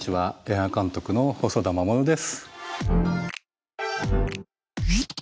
映画監督の細田守です。